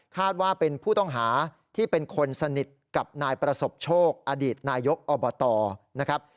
ว่าเป็นผู้ต้องหาที่เป็นคนสนิทกับนายประสบโชคอดีตนายกอบตนะครับ